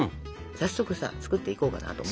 早速さ作っていこうかなと。